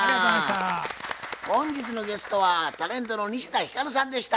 本日のゲストはタレントの西田ひかるさんでした。